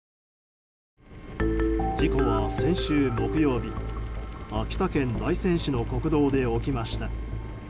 事故は先週木曜日秋田県大仙市の国道で起きました。